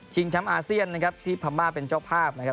แชมป์อาเซียนนะครับที่พม่าเป็นเจ้าภาพนะครับ